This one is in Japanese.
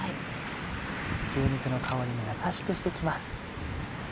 牛肉の香りもやさしくして来ます。